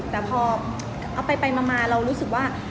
แต่พอเอาไปมาเรารู้สึกว่า